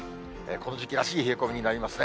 この時期らしい冷え込みになりますね。